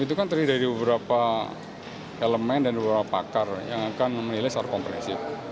itu kan terdiri dari beberapa elemen dan beberapa pakar yang akan menilai secara kompresif